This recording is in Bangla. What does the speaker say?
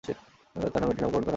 তার নামে এটির নামকরণ করা হয়েছে।